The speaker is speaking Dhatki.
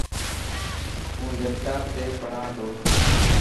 هون ليپٽاپ تي پڙهان تو.